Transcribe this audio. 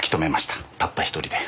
たった１人で。